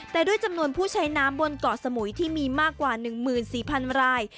แต่ด้วยจำนวนผู้ใช้น้ำบนเกาะสมุยที่มีมากกว่า๑๔๐๐๐ราย